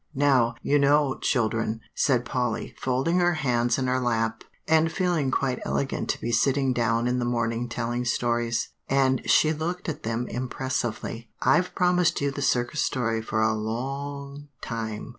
"Now, you know, children," said Polly, folding her hands in her lap, and feeling quite elegant to be sitting down in the morning telling stories; and she looked at them impressively, "I've promised you the Circus story for a lo ong time."